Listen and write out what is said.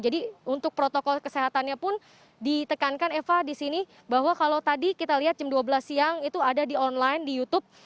jadi untuk protokol kesehatannya pun ditekankan eva disini bahwa kalau tadi kita lihat jam dua belas siang itu ada di online di youtube